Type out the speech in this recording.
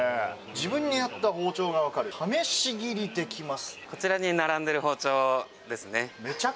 自分に合った包丁が分かる、試し切りできます。